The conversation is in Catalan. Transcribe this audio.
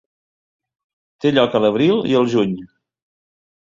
Té lloc a l'abril i el juny.